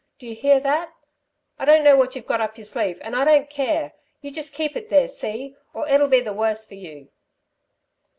D'you hear that? I don't know what you've got up your sleeve, and I don't care! You just keep it there, see, or it'll be the worse for you."